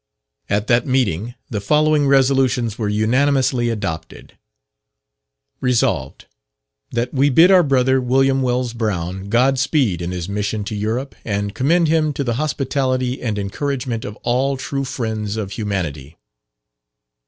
At that meeting the following resolutions were unanimously adopted: "Resolved, That we bid our brother, William Wells Brown, God speed in his mission to Europe, and commend him to the hospitality and encouragement of all true friends of humanity.